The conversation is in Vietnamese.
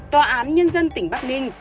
tòa án nhân dân tỉnh bắc ninh